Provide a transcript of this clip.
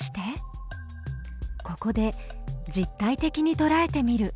ここで実体的にとらえてみる。